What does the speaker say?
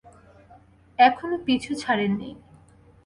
এখনো পিছু ছাড়েনি।